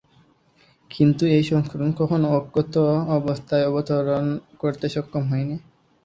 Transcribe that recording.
কিন্তু এই সংস্করণ কখনও অক্ষত অবস্থায় অবতরণ করতে সক্ষম হয়নি।